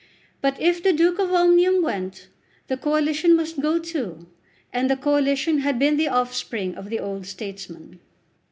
But if the Duke of Omnium went the Coalition must go too, and the Coalition had been the offspring of the old statesman.